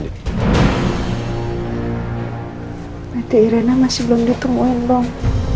berarti irena masih belum ditunggu lombong